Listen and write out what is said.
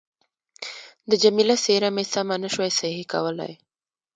د جميله څېره مې سمه نه شوای صحیح کولای.